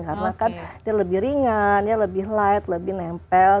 karena kan dia lebih ringan dia lebih light lebih nempel